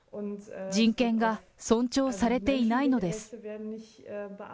人権が尊重されていないのです。